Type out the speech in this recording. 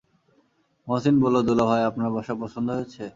মহসিন বলল, দুলাভাই, আপনার বাসা পছন্দ হয়েছে?